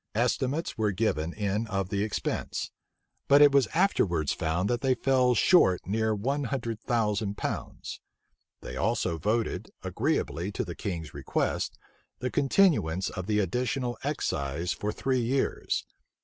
Estimates were given in of the expense; but it was afterwards found that they fell short near one hundred thousand pounds. They also voted, agreeably to the king's request, the continuance of the additional excise for three years.